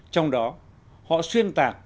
trong đó họ xuyên tạc